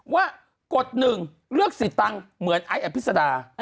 ว่ากดหนึ่งเลือกสิทธิ์ตังค์เหมือนไอล์พิศดา